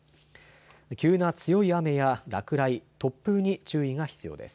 急な強い雨や落雷、突風に注意が必要です。